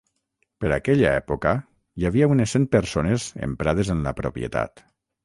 Per aquella època hi havia unes cent persones emprades en la propietat.